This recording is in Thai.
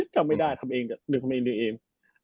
จำไม่ได้นึกทำเองด้วยเอง